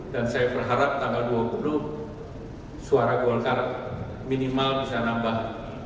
dan saya berharap tanggal dua puluh suara golkar minimal bisa nambah satu ratus empat